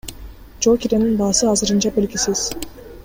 Жол киренин баасы азырынча белгисиз.